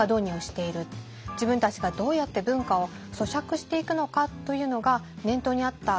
自分たちがどうやって文化を咀嚼していくのかというのが念頭にあった。